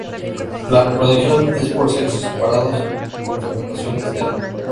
La reproducción es por sexos separados, con fecundación externa.